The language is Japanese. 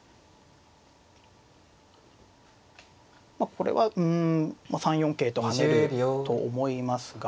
まあこれはうん３四桂と跳ねると思いますが。